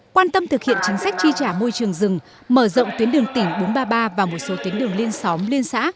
quan tâm thực hiện chính sách tri trả môi trường rừng mở rộng tuyến đường tỉnh bốn trăm ba mươi ba và một số tuyến đường liên xóm liên xã